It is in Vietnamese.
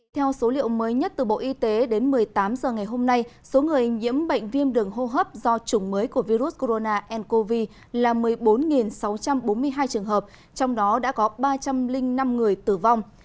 theo số liệu mới nhất từ bộ y tế đến một mươi tám h ngày hôm nay số người nhiễm bệnh viêm đường hô hấp do chủng mới của virus corona ncov là một mươi bốn sáu trăm bốn mươi hai trường hợp trong đó đã có ba trăm linh năm người tử vong